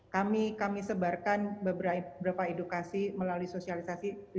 kami sebarkan beberapa edukasi melalui sosialisasi